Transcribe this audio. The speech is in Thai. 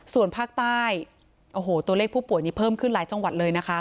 ส่วนภาคใต้โอ้โหตัวเลขผู้ป่วยนี้เพิ่มขึ้นหลายจังหวัดเลยนะคะ